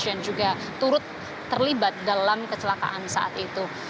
yang juga turut terlibat dalam kecelakaan saat itu